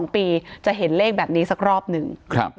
๒ปีจะเห็นเลขแบบนี้สักรอบหนึ่ง